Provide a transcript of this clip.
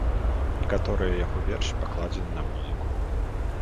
Некаторыя яго вершы пакладзены на музыку.